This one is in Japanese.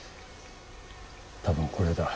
多分これだ。